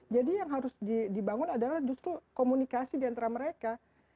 jadi yang harus dibangun adalah justru komunikasi diantara mereka